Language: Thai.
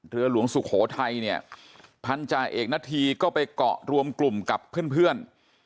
เรือหลวงสุโขทัยเนี่ยพันธาเอกณฑีก็ไปเกาะรวมกลุ่มกับเพื่อน